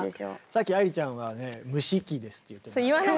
さっき愛理ちゃんは蒸し器ですって言ってました。